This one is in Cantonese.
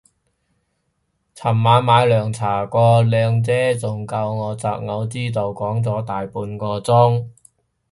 尋晚買涼茶個靚姐仲教我擇偶之道講咗大半個鐘